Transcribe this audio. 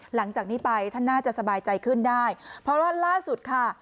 หลังจากนี้ไปท่านน่าจะสบายใจขึ้นได้เพราะว่าล่าสุดค่ะ